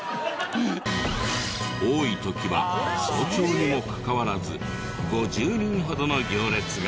多い時は早朝にもかかわらず５０人ほどの行列が。